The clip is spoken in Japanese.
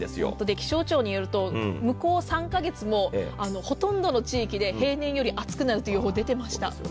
気象庁によると、向こう３カ月もほとんどの地域で平年より暑くなるという予報が出ていました。